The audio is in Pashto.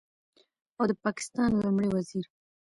او د پاکستان لومړي وزیر